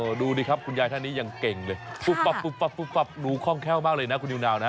โอ้โหดูดิครับคุณยายท่านนี้ยังเก่งเลยปุ๊บปับปุ๊บปับปุ๊บปับดูค่องแค่วมากเลยนะคุณยูนาวนะ